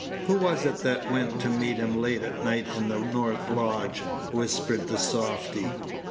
"Who was it that went to meet him late at night in the north lodge?" whispered the softy.